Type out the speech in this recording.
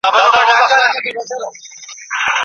هغه داسې یوې رڼا ته تلل غواړي چې غږ یې وي.